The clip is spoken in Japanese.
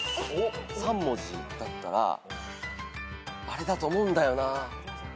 ３文字だったらあれだと思うんだよな。